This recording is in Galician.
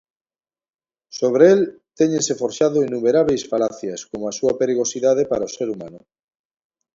Sobre el téñense forxado innumerábeis falacias, como a súa perigosidade para o ser humano.